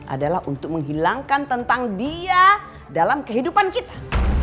adalah untuk menghilangkan tentang dia dalam kehidupan kita